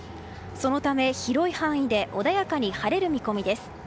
そのため、広い範囲で穏やかに晴れる見込みです。